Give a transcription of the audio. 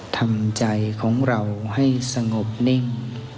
ทำใจของเราให้สงบนิ่ง